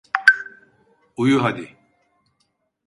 Uyu hadi.